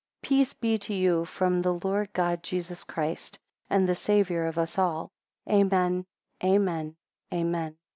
Peace be to you from the Lord God Jesus Christ, and the Saviour of us all. Amen, Amen, Amen.